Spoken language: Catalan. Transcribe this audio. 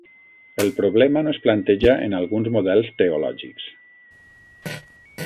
El problema no es planteja en alguns models teològics.